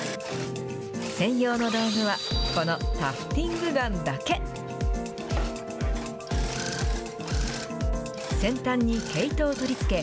専用の道具は、このタフティングガンだけ。